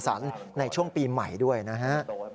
ตัวให้มันไข่ก่อนนะ